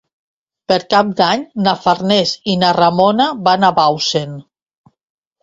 Per Cap d'Any na Farners i na Ramona van a Bausen.